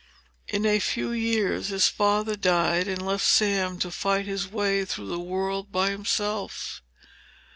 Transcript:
In a few years, his father died and left Sam to fight his way through the world by himself.